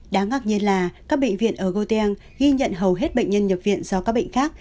đáng ngạc nhiên là các bệnh viện ở gotiang ghi nhận hầu hết bệnh nhân nhập viện do các bệnh khác